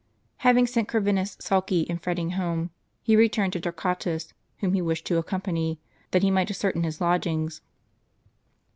Having sent Corvinus sulky and fretting home, he returned to Torquatus, whom he wished to accompany, that he might ascertain his lodgings.